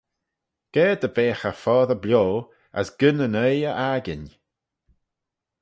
Ga dy beagh eh foddey bio: as gyn yn oaie y akin.